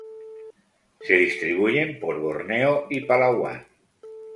Se distribuyen por Borneo y Palawan.